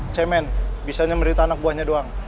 cemen bisanya merita anak buahnya doang